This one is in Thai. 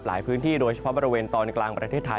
พื้นที่โดยเฉพาะบริเวณตอนกลางประเทศไทย